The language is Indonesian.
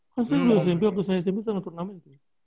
mungkin karena sering ada pertandingan turnamen gitu ya